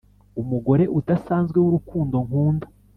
umugore udasanzwe wurukundo nkunda,